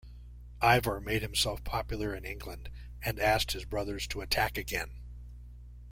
Ivar made himself popular in England and asked his brothers to attack again.